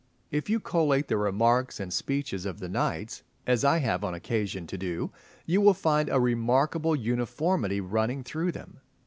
If you collate the remarks and speeches of the knights (as I have had occasion to do) you will find a remarkable uniformity running through them.